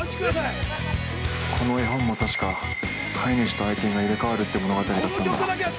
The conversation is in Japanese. ◆この絵本も、たしか飼い主と愛犬が入れ替わるって物語だったんだ。